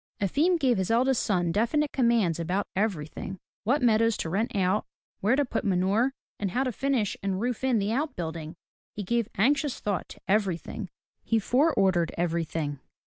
Efim gave his eldest son definite commands about everything, — what meadows to rent out, where to put manure, and how to finish and roof in the out building. He gave anxious thought to everything; he fore ordered everything.